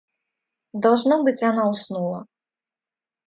Должно быть, она уснула.